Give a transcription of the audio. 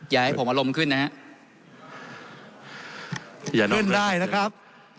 อย่าให้ผมมาลมขึ้นนะฮะขึ้นได้นะครับ